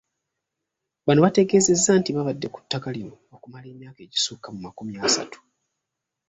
Bano baategeezezza nti babadde ku ttaka lino okumala emyaka egisukka mu makumi asatu.